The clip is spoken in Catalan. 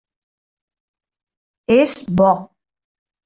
És bo.